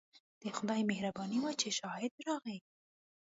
د خدای مهرباني وه چې شاهد راغی.